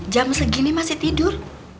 jam segini masih tidur